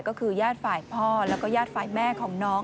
ก็คือญาติฝ่ายพ่อแล้วก็ญาติฝ่ายแม่ของน้อง